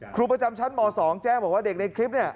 ครูประจำชั้นหม๒แจ้งว่าเด็กในคลิป